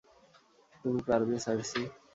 তুমি পারবে, সার্সি।